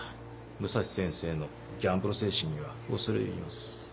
武蔵先生のギャンブル精神には恐れ入ります。